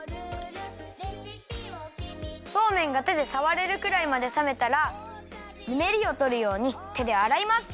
そうめんがてでさわれるくらいまでさめたらぬめりをとるようにてであらいます。